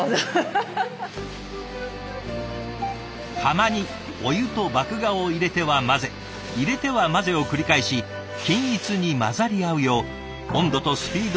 釜にお湯と麦芽を入れては混ぜ入れては混ぜを繰り返し均一に混ざり合うよう温度とスピードを見極めながら。